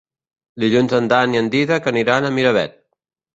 Dilluns en Dan i en Dídac aniran a Miravet.